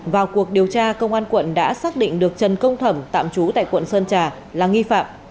vào cuộc điều tra công an quận đã xác định được trần công thẩm tạm trú tại quận sơn trà là nghi phạm